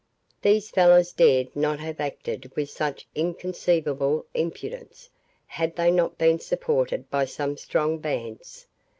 These fellows dared not have acted with such inconceivable impudence, had they not been supported by some strong bands.